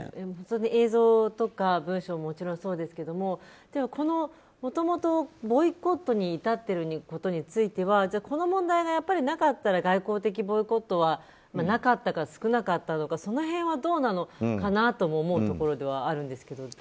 映像とか文書ももちろんそうですけどもともとボイコットに至っていることについてはこの問題がなかったら外交的ボイコットはなかったか、少なかったのかその辺はどうなのかなとも思うところではあるんですけど。